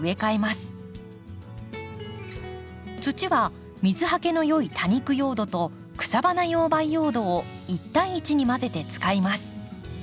土は水はけのよい多肉用土と草花用培養土を１対１に混ぜて使います。